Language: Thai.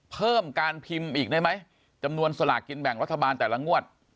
เพิ่มการพิมพ์อีกได้ไหมจำนวนสลากกินแบ่งรัฐบาลแต่ละงวด